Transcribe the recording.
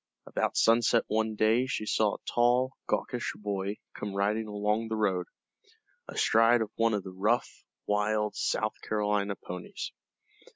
About sunset one day she saw a tall, gawkish boy come riding along the road, astride of one of the rough, wild, South Carolina ponies.